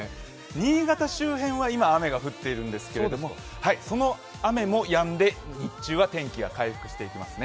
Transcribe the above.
新潟周辺は今、雨が降っているんですけれどもその雨もやんで日中は天気が回復していきますね。